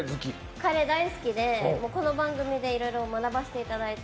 カレー大好きで、この番組でいろいろ学ばせていただいて。